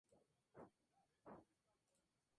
Se despierta en el hospital.